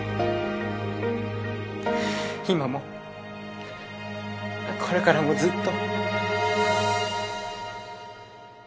今もこれからもずっと。